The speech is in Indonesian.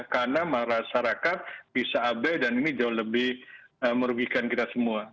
karena masyarakat bisa abe dan ini jauh lebih merugikan kita semua